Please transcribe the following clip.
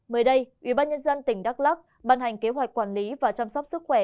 mới đây ubnd tỉnh đắk lắc ban hành kế hoạch quản lý và chăm sóc sức khỏe